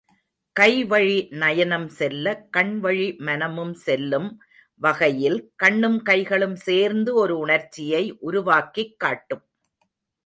கைவழி நயனம் செல்ல, கண்வழி மனமும் செல்லும் வகையில் கண்ணும் கைகளும் சேர்ந்து ஒரு உணர்ச்சியை உருவாக்கிக் காட்டும்.